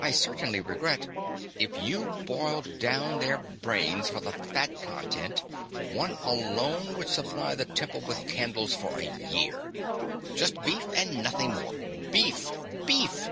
"I certainly regret " "If you boiled down their brains for the fat content, one alone would supply the Temple with candles for a year! Just beef and nothing more! Beef! Beef!"